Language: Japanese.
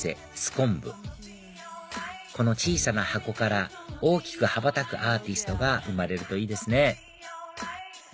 今歩この小さな箱から大きく羽ばたくアーティストが生まれるといいですね